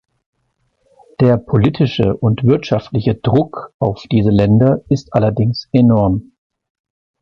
Der politische und wirtschaftliche Druck auf diese Länder ist allerdings enorm.